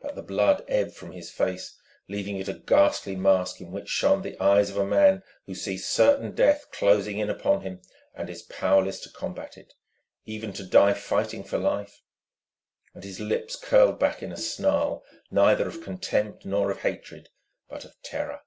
But the blood ebbed from his face, leaving it a ghastly mask in which shone the eyes of a man who sees certain death closing in upon him and is powerless to combat it, even to die fighting for life. And his lips curled back in a snarl neither of contempt nor of hatred but of terror.